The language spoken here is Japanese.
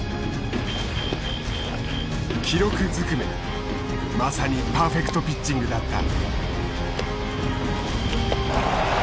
記録ずくめまさにパーフェクトピッチングだった。